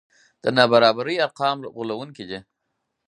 د نابرابرۍ ارقام غولوونکي دي.